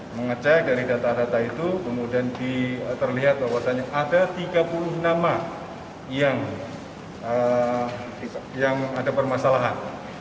mengecek dari data data itu kemudian terlihat bahwasannya ada tiga puluh nama yang ada permasalahan